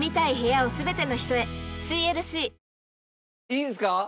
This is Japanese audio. いいですか？